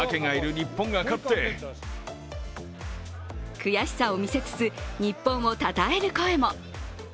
悔しさを見せつつ、日本をたたえる声も。